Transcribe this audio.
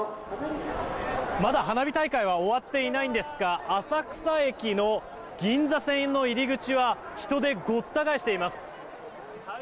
まだ花火大会は終わっていないんですが浅草駅の銀座線の入り口は人でごった返しています。